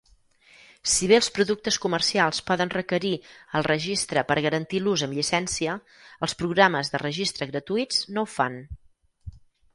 Si bé els productes comercials poden requerir el registre per garantir l'ús amb llicència, els programes de registre gratuïts no ho fan.